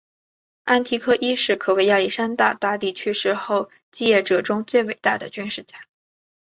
安提柯一世可谓亚历山大大帝去世后继业者中最伟大的军事家。